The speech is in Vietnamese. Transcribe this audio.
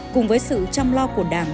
cùng với sự chăm lo của đảng